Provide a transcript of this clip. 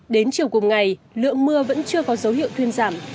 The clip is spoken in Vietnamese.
đến chiều cùng ngày lượng mưa vẫn chưa có dấu hiệu thuyên giảm